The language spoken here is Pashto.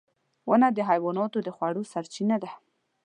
• ونه د حیواناتو د خوړو سرچینه ده.